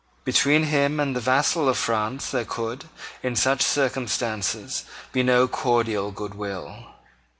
Between him and the vassal of France there could, in such circumstances, be no cordial good will.